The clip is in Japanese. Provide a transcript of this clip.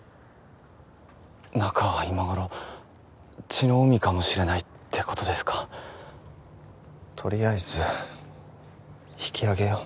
中は今頃血の海かもしれないってことですかとりあえず引き揚げよう